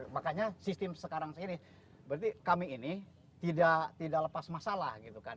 makanya sistem sekarang ini berarti kami ini tidak lepas masalah gitu kan